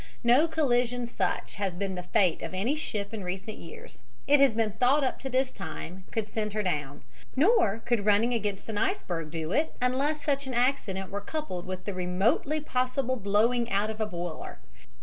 No collision such as has been the fate of any ship in recent years, it has been thought up to this time, could send her down, nor could running against an iceberg do it unless such an accident were coupled with the remotely possible blowing out of a boiler.